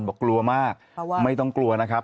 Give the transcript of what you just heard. บอกกลัวมากไม่ต้องกลัวนะครับ